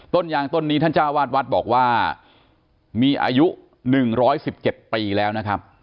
ต้นยางต้นนี้ท่านจ้าวาดวัดบอกว่ามีอายุหนึ่งร้อยสิบเจ็ดปีแล้วนะครับ